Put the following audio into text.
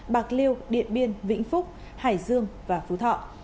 bạc liêu điện biên vĩnh phúc hải dương và phú thọ